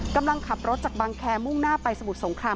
กำลังขับรถจากบังแคร์มุ่งหน้าไปสมุทรสงคราม